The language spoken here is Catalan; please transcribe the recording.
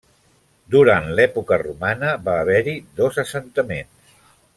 Durant l'època romana va haver-hi dos assentaments.